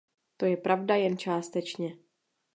To je pravda jen částečně.